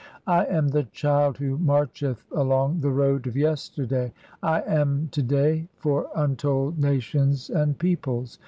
"I am (?) the child who marcheth along the road of Yesterday. [I "am] To day for untold nations and peoples.